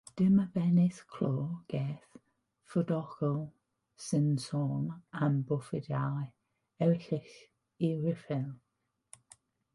Dyma bennill clo'r gerdd fuddugol sy'n sôn am brofiadau erchyll y rhyfel.